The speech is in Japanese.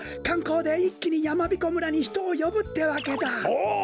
おお！